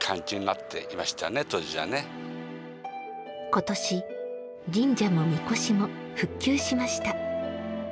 今年、神社もみこしも復旧しました。